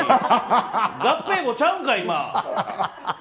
合併号ちゃうんかい今！